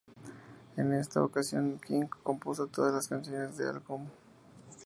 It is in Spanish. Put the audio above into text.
En esta ocasión, King compuso todas las canciones de álbum.